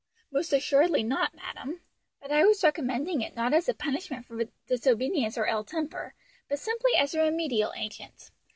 "Most assuredly not, madam; but I was recommending it not as a punishment for disobedience or ill temper, but simply as a remedial agent.